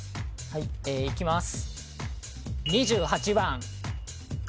はいいきます